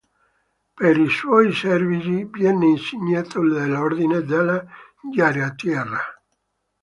Per i suoi servigi venne insignito dell'Ordine della Giarrettiera.